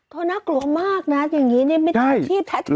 ก็น่ากลัวมากนะอย่างงี้เนี่ยนี่ไม่จัดที่แท็ทแมน